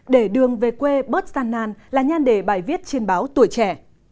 để đường về quê bớt gian nan là nhan đề bài viết trên báo tuổi trẻ